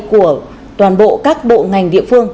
của toàn bộ các bộ ngành địa phương